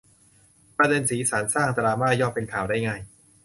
ประเด็นสีสัน สร้างดราม่า ย่อมเป็นข่าวได้ง่าย